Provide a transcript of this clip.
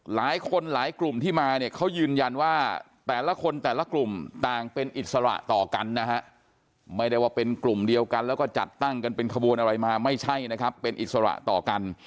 หลายคนหลายกลุ่มที่มาเนี่ยเขายืนยันว่าแต่ละคนแต่ละกลุ่มต่างเป็นอิสระต่อกันนะฮะไม่ได้ว่าเป็นกลุ่มเดียวกันแล้วก็จัดตั้งกันเป็นขบวนอะไรมาไม่ใช่นะครับเป็นอิสระต่อกัน